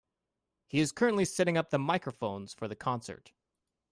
He is currently setting up the microphones for the concert.